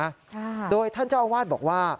ค่ะโดยท่านเจ้าอาวาสบอกว่า